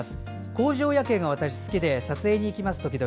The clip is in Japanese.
工場夜景が私好きで撮影に行きます、時々。